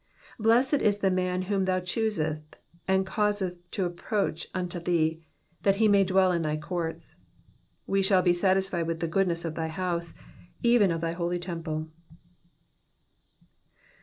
4 Blessed is the man whom thou choosest, and causest to approach unto thee, that he may dwell in thy courts : we shall be satisfied with the goodness of thy house, even of thy holy temple.